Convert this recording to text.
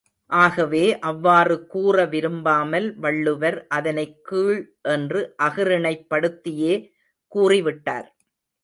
ஆகவே, அவ்வாறு கூற விரும்பாமல், வள்ளுவர் அதனைக் கீழ் என்று அஃறிணைப் படுத்தியே கூறிவிட்டார்.